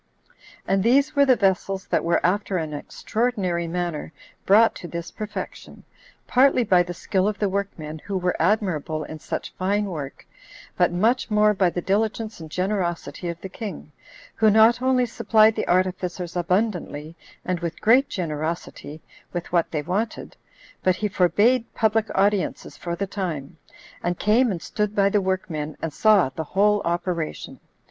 And these were the vessels that were after an extraordinary manner brought to this perfection, partly by the skill of the workmen, who were admirable in such fine work, but much more by the diligence and generosity of the king, who not only supplied the artificers abundantly, and with great generosity, with what they wanted, but he forbade public audiences for the time, and came and stood by the workmen, and saw the whole operation.